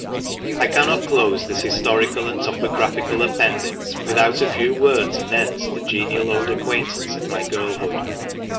— I cannot close this historical and topographical appendix without a few words anent the genial old acquaintance of my girlhood.